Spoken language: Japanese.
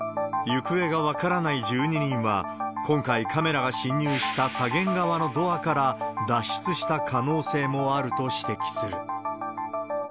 行方が分からない１２人は、今回、カメラが進入した左舷側のドアから脱出した可能性もあると指摘する。